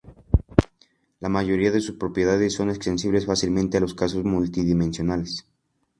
La mayoría de sus propiedades son extensibles fácilmente a los casos multidimensionales.